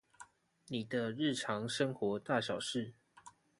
你的日常生活大小事